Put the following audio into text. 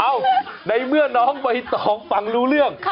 เอ้าในเมื่อน้องไปต้องฟังรู้เรื่อง